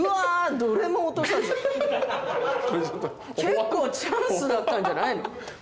結構チャンスだったんじゃないの？